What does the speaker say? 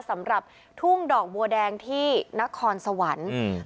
สำหรับทุ่งดอกบัวแดงที่นครสวรรค์อืม